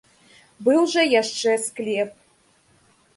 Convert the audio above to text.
Быў жа яшчэ склеп.